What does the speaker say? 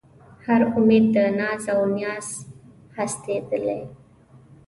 هر اُمید د ناز و نیاز و هستېدلی